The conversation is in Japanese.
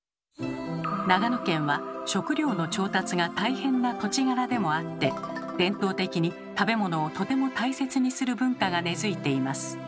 長野県は食糧の調達が大変な土地柄でもあって伝統的に食べ物をとても大切にする文化が根づいています。